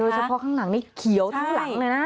เฉพาะข้างหลังนี่เขียวทั้งหลังเลยนะ